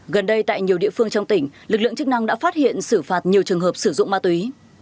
gần đây tại nhiều địa phương trong tỉnh lực lượng chức năng đã phát hiện xử phạt nhiều trường hợp sử dụng ma túy